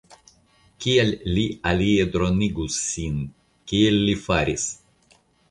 Kial li alie dronigus sin, kiel li faris?